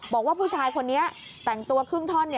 บอกว่าผู้ชายคนนี้แต่งตัวครึ่งท่อน